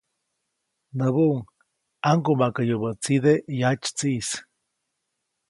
Näbuʼuŋ ‒ʼaŋgumaʼkäyubäʼtside yatsytsiʼis‒.